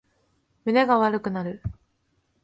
胸が悪くなる